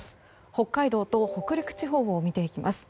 北海道と北陸地方を見ていきます。